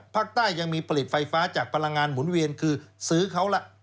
ภาคใต้ยังมีผลิตไฟฟ้าจากพลังงานหมุนเวียนคือซื้อเขาล่ะ